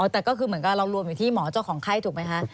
แต่ก็คือเหมือนกับเรารวมอยู่ที่หมอเจ้าของไข้ถูกไหมคะ